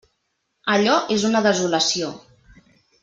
Allò és una desolació.